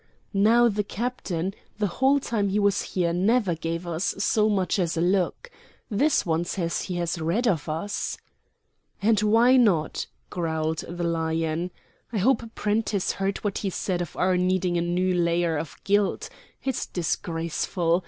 "Now the Captain, the whole time he was here, never gave us so much as a look. This one says he has read of us." "And why not?" growled the Lion. "I hope Prentiss heard what he said of our needing a new layer of gilt. It's disgraceful.